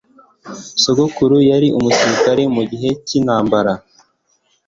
Sogokuru yari umusirikare mugihe cyintambara.